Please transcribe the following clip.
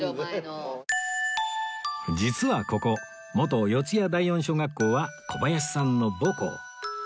実はここ元四谷第四小学校は小林さんの母校